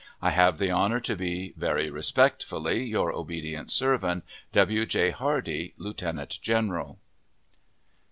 I have the honor to be, very respectfully, your obedient servant, W. J. HARDEE, Lieutenant General.